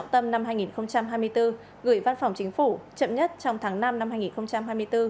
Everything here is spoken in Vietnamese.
tâm năm hai nghìn hai mươi bốn gửi văn phòng chính phủ chậm nhất trong tháng năm năm hai nghìn hai mươi bốn